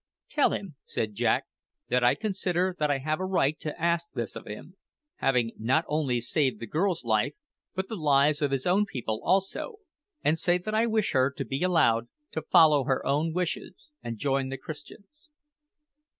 "Tell him," said Jack, "that I consider that I have a right to ask this of him, having not only saved the girl's life, but the lives of his own people also; and say that I wish her to be allowed to follow her own wishes, and join the Christians."